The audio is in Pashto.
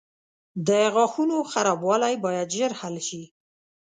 • د غاښونو خرابوالی باید ژر حل شي.